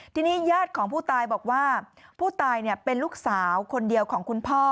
ทีนี้ญาติของผู้ตายบอกว่าผู้ตายเป็นลูกสาวคนเดียวของคุณพ่อ